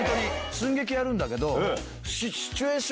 寸劇やるんだけど。